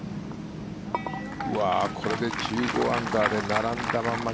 これで１５アンダーで並んだまま。